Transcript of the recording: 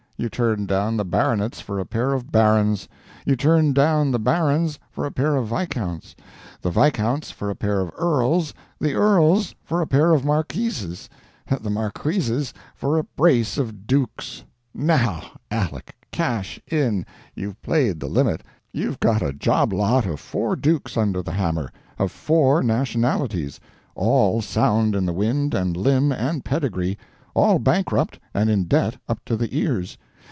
You turned down the baronets for a pair of barons; you turned down the barons for a pair of viscounts; the viscounts for a pair of earls; the earls for a pair of marquises; the marquises for a brace of dukes. Now, Aleck, cash in! you've played the limit. You've got a job lot of four dukes under the hammer; of four nationalities; all sound in the wind and limb and pedigree, all bankrupt and in debt up to the ears.